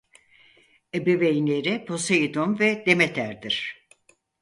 Ebeveynleri Poseidon ve Demeter'dir.